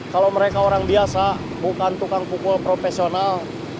kalau mereka orang biasa bukan tukang pukul profesional